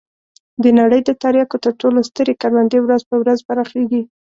د نړۍ د تریاکو تر ټولو سترې کروندې ورځ په ورځ پراخېږي.